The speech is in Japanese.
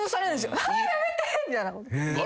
あーやめて！みたいな。笑